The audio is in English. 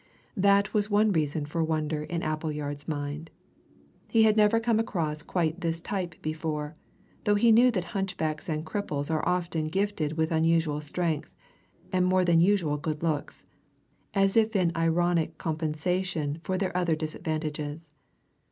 That was one reason for wonder in Appleyard's mind he had never come across quite this type before, though he knew that hunchbacks and cripples are often gifted with unusual strength, and more than usual good looks, as if in ironic compensation for their other disadvantages.